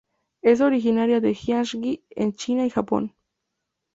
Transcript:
Es originaria de Jiangxi en China y Japón.